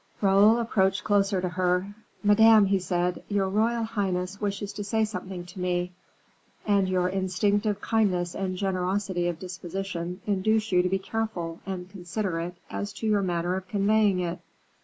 Raoul approached closer to her. "Madame," he said, "your royal highness wishes to say something to me, and your instinctive kindness and generosity of disposition induce you to be careful and considerate as to your manner of conveying it.